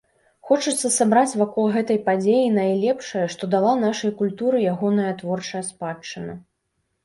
Хочацца сабраць вакол гэтай падзеі найлепшае, што дала нашай культуры ягоная творчая спадчына.